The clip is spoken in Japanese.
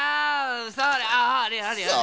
それあれあれあれあれ。